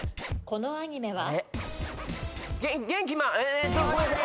このアニメは？